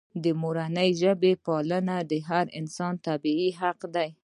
د مورنۍ ژبې پالنه د هر انسان طبیعي حق دی.